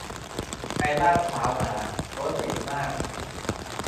ไปลาดพร้าวมา รถติดมาก